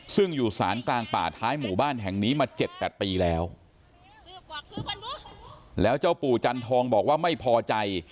ซึ่งอยู่สารกลางป่าท้ายหมู่บ้านแห่งนี้มาเจ็ดแปดปีแล้วแล้วเจ้าปู่จันทองบอกว่าไม่พอใจ